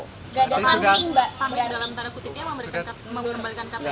gak ada pamit dalam tarah kutipnya memberikan kta